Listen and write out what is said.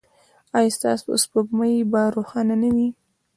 ایا ستاسو سپوږمۍ به روښانه نه وي؟